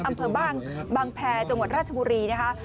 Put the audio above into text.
อำเภอบางแพรจังหวัดราชบุรีนะคะ